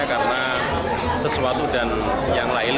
karena sesuatu dan yang lain